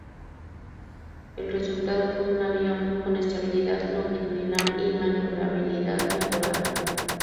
El resultado fue un avión con estabilidad longitudinal y maniobrabilidad mejorada.